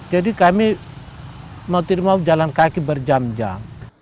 jadi kami mau tidak mau jalan kaki berjam jam